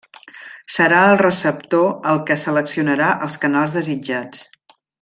Serà el receptor el que seleccionarà els canals desitjats.